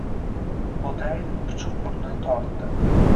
Bo‘taev puchuq burnini tortdi